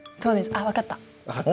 おっ分かった？